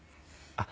あっ！